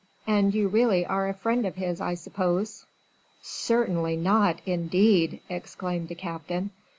And you really are a friend of his, I suppose?" "Certainly not, indeed!" exclaimed the captain.